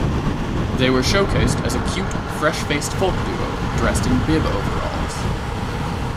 They were showcased as a cute, fresh-faced folk duo dressed in bib overalls.